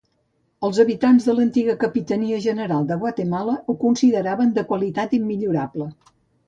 Els habitants de l'antiga Capitania General de Guatemala ho consideraven de qualitat immillorable.